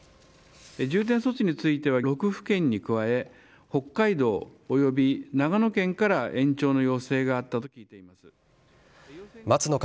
重点措置については、６府県に加え、北海道および長野県から延長の要請があったと聞いています。